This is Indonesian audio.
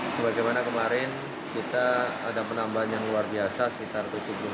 sebagaimana kemarin kita ada penambahan yang luar biasa sekitar tujuh puluh lima